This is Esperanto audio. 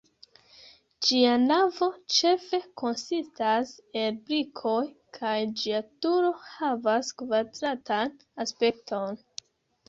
Ĝia navo ĉefe konsistas el brikoj, kaj ĝia turo havas kvadratan aspekton.